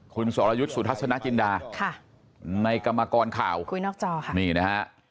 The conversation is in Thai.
คุณสอรยุทธสุทธัสนาจินดาในกรรมกรข่าวคุยนอกจอค่ะ